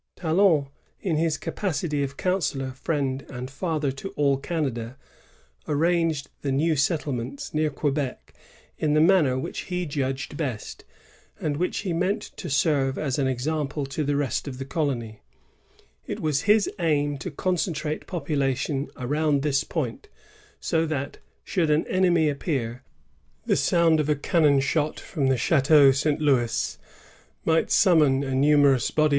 Talon, in his capacity of counsellor, friend, and father to all Canada, arranged the new settlements near Quebec in the manner which he judged best, and which he meant to serve as an example to the rest of the colony. It was his aim to concentrate population around this point, so that, should an enemy appear, the sound of a cannon shot from the Chateau St Louis might summon a numerous body 1 La Tour, Vie de Laval, chap. x. 1665 72.] MODEL SEIGNIORY.